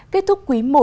kết thúc quý i